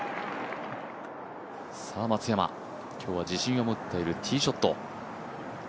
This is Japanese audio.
松山、今日は自信を持っているティーショット。